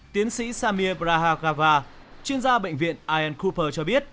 tiến sĩ samir brahargava chuyên gia bệnh viện ian cooper cho biết